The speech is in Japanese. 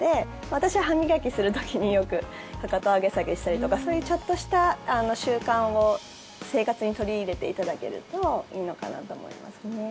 私、歯磨きする時によくかかと上げ下げしたりとかそういう、ちょっとした習慣を生活に取り入れていただけるといいのかなと思いますね。